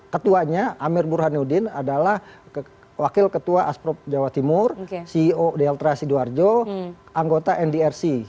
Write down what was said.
ketuanya amir burhanuddin adalah wakil ketua asprop jawa timur ceo deltra sidoarjo anggota ndrc